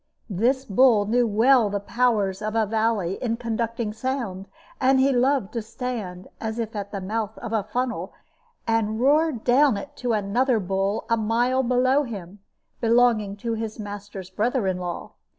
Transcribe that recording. This bull knew well the powers of a valley in conducting sound; and he loved to stand, as if at the mouth of a funnel, and roar down it to another bull a mile below him, belonging to his master's brother in law.